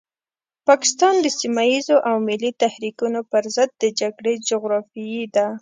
پاکستان د سيمه ييزو او ملي تحريکونو پرضد د جګړې جغرافيې ده.